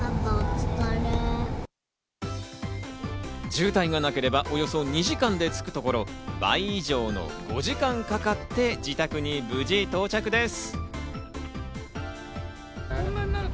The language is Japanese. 渋滞がなければ、およそ２時間で着くところ、倍以上の５時間かかって自宅に無事到着です。